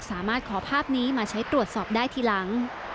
สามารถขอภาพนี้มาใช้ตรวจสอบได้ทีหลัง